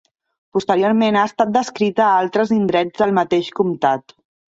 Posteriorment ha estat descrita a altres indrets del mateix comtat.